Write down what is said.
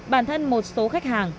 bản thân một số khách hàng